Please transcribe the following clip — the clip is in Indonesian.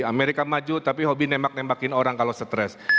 amerika maju tapi hobi nemak nemakin orang kalau stres